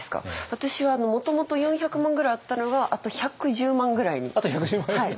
私はもともと４００万ぐらいあったのがあと１１０万ぐらいに。